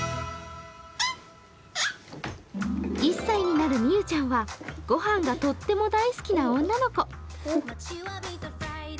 １歳になるみゆちゃんは御飯がとっても大好きな女の子。